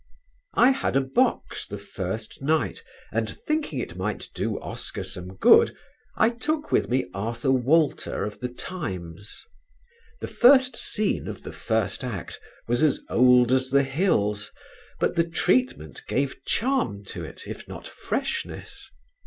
I had a box the first night and, thinking it might do Oscar some good, I took with me Arthur Walter of The Times. The first scene of the first act was as old as the hills, but the treatment gave charm to it if not freshness.